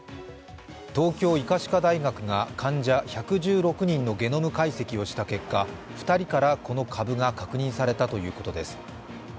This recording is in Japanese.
東京医科歯科大学が患者１１６人のゲノム解析をした結果、２人からこの株が確認されたということです。